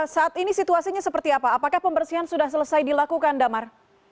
saat ini situasinya seperti apa apakah pembersihan sudah selesai dilakukan damar